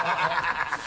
ハハハ